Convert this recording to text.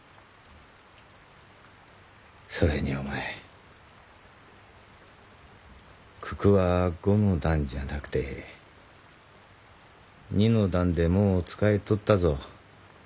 それにお前九九は五の段じゃなくて二の段でもうつかえとったぞ。